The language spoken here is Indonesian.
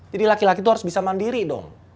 jadi laki laki itu harus bisa mandiri dong